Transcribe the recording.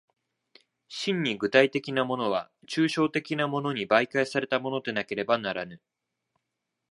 真に具体的なものは抽象的なものに媒介されたものでなければならぬ。